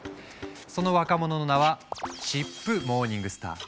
その若者の名はチップ・モーニングスター。